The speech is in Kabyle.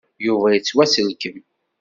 Yuba yettwasselkem.